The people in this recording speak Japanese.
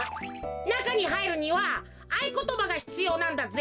なかにはいるにはあいことばがひつようなんだぜ。